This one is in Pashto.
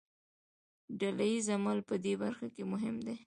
ډله ییز عمل په دې برخه کې مهم دی.